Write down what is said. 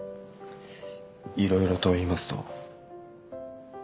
いろいろと言いますと？